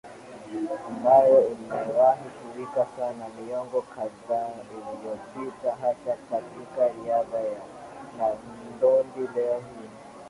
ambayo imewahi kuwika sana miongo kadhaa iliyopita hasa katika riadha na ndondi Leo hii